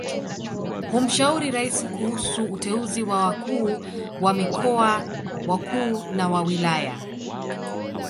Humshauri Raisi kuhusu uteuzi wa wakuu wa mikoa wakuu na wa wilaya